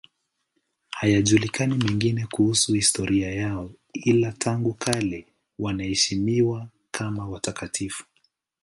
Hayajulikani mengine kuhusu historia yao, ila tangu kale wanaheshimiwa kama watakatifu.